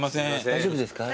大丈夫です。